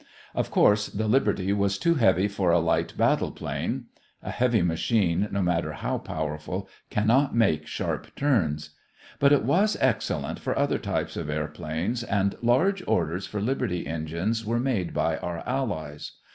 Of course the Liberty was too heavy for a light battle plane (a heavy machine, no matter how powerful, cannot make sharp turns), but it was excellent for other types of airplanes and large orders for Liberty engines were made by our allies.